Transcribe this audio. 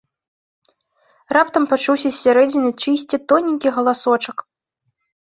Раптам пачуўся з сярэдзіны чыйсьці тоненькі галасочак: